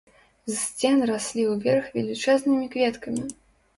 З сцен раслі ўверх велічэзнымі кветкамі!